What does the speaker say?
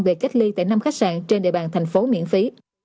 về cách ly tại năm khách sạn trên địa bàn thành phố miễn phí